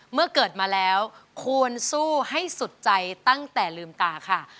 เมื่อเกิดมาแล้วควรสู้ให้สุดใจตั้งแต่ลืมตาค่ะ